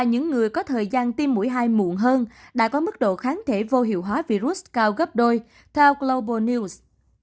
những người có thời gian tiêm mũi hai muộn hơn đã có mức độ kháng thể vô hiệu hóa virus cao gấp đôi theo global news